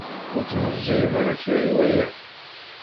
Ur tmeẓẓiyem ara kra i waya?